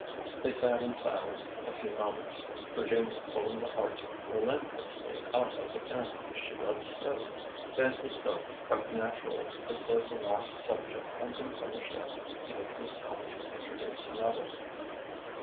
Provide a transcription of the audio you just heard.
They sat in silence a few moments, — Virginia pulling the hearts relentlessly out of the pansies she loved so. ORDER NO. 11 lO Then he spoke quite naturally, as though the last sub ject had been finished up and it was time to introduce another.